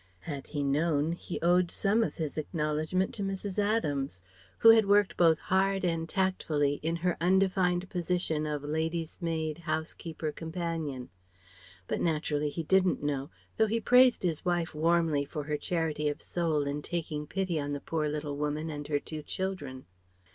Had he known, he owed some of his acknowledgment to Mrs. Adams; who had worked both hard and tactfully in her undefined position of lady's maid housekeeper companion. But naturally he didn't know, though he praised his wife warmly for her charity of soul in taking pity on the poor little woman and her two children.